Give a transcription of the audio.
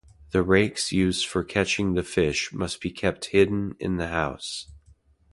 The rakes used for catching the fish must be kept hidden in the house.